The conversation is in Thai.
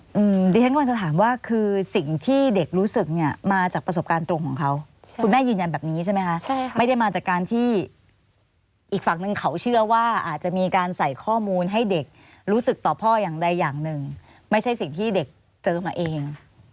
ดิฉันกำลังจะถามว่าคือสิ่งที่เด็กรู้สึกเนี่ยมาจากประสบการณ์ตรงของเขาใช่คุณแม่ยืนยันแบบนี้ใช่ไหมคะใช่ค่ะไม่ได้มาจากการที่อีกฝั่งนึงเขาเชื่อว่าอาจจะมีการใส่ข้อมูลให้เด็กรู้สึกต่อพ่ออย่างใดอย่างหนึ่งไม่ใช่สิ่งที่เด็กเจอมาเอง